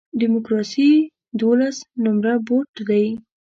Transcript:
ډیموکراسي دولس نمره بوټ دی.